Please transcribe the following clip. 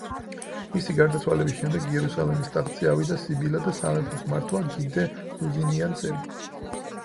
მისი გარდაცვალების შემდეგ, იერუსალიმის ტახტზე ავიდა სიბილა და სამეფოს მართვა გი დე ლუზინიანს ერგო.